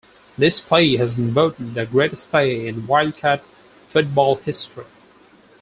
This play has been voted the greatest play in Wildcat football history.